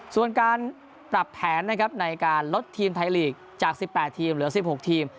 ส่วนการปรับแผนนะครับในการลดทีมไทยลีกจาก๑๘ทีมเหลือ๑๖ทีม